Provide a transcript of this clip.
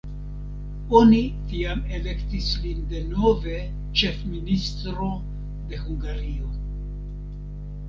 Oni tiam elektis lin denove ĉefministro de Hungario.